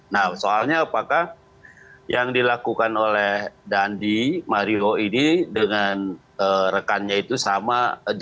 nah soalnya apakah yang dilakukan oleh dandi mario ini dengan rekannya itu sama